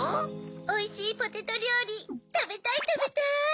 おいしいポテトりょうりたべたいたべたい！